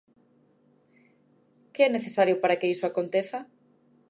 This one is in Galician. Que é necesario para que iso aconteza?